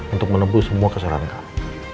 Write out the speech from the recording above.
untuk menebul semua kesalahan kamu